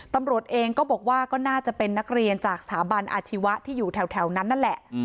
ตำรวจเองก็บอกว่าก็น่าจะเป็นนักเรียนจากสถาบันอาชีวะที่อยู่แถวนั้นนั่นแหละ